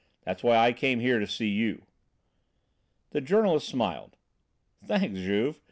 That's why I came here to see you." The journalist smiled. "Thanks, Juve.